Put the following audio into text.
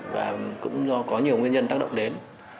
và cũng do có nhiều nguyên nhân tác động đến